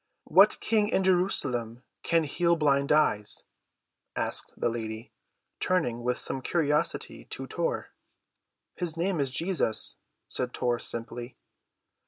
"What King in Jerusalem can heal blind eyes?" asked the lady, turning with some curiosity to Tor. "His name is Jesus," said Tor simply.